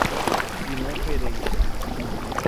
Simão Pereira